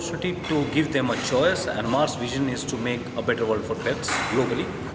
jadi kita ingin membuat dunia yang lebih baik untuk pet secara lokal